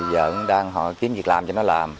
giờ cũng đang họ kiếm việc làm cho nó làm